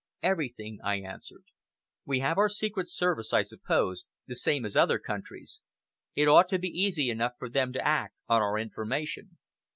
"Everything," I answered. "We have our Secret Service, I suppose, the same as other countries. It ought to be easy enough for them to act on our information."